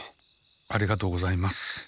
ありがとうございます。